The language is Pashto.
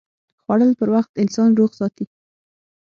خوړل پر وخت انسان روغ ساتي